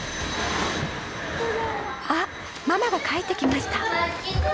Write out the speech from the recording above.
あっママが帰ってきました。